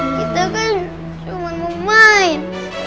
kita kan cuma mau main